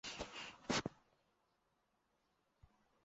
他因电影贫民窟的百万富翁赢得了奥斯卡最佳音响效果奖。